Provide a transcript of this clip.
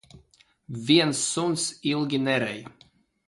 Viens suns ilgi nerej.